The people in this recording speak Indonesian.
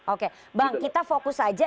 oke bang kita fokus saja